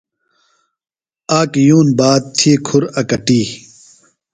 آک یُون باد تھی کُھر اکٹیۡ۔